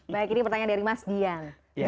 baik ini pertanyaan dari mas dian